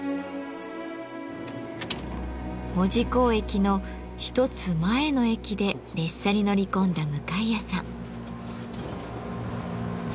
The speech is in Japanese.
門司港駅の一つ前の駅で列車に乗り込んだ向谷さん。